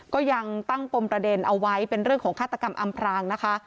ก็ยังตั้งปมประเด็นเอาไว้เป็นเรื่องของฆาตกรรมอำพรางนะคะ